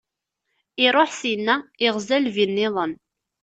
Iṛuḥ syenna, iɣza lbi- nniḍen.